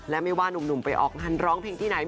และไม่ว่านุ่มไปออกงานร้องเพลงที่ไหน